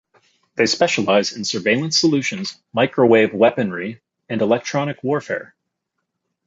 They specialize in surveillance solutions, microwave weaponry, and electronic warfare.